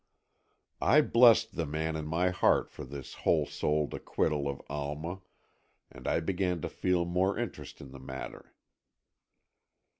I blessed the man in my heart for this whole souled acquittal of Alma, and I began to feel more interest in the matter.